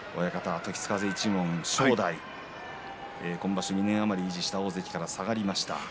時津風一門の正代今場所２年余りいた大関から下がりました。